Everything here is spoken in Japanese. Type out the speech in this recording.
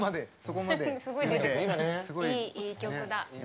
いい曲だ。